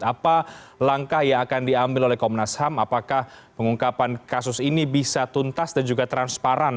apa langkah yang akan diambil oleh komnas ham apakah pengungkapan kasus ini bisa tuntas dan juga transparan